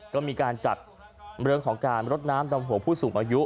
ก็มีการจัดเรื่องของการรดน้ำดำหัวผู้สูงอายุ